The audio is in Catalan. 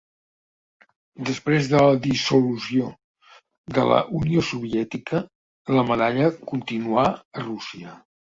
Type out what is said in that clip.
Després de la dissolució de la Unió Soviètica, la medalla continuà a Rússia.